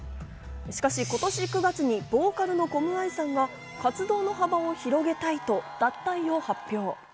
しかし今年９月にボーカルのコムアイさんが活動の幅を広げたいと脱退を発表。